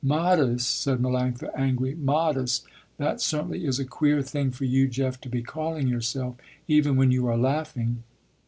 "Modest!" said Melanctha, angry, "Modest, that certainly is a queer thing for you Jeff to be calling yourself even when you are laughing."